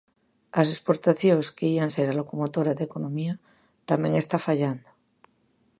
As exportacións, que ían ser a locomotora da economía, tamén está fallando.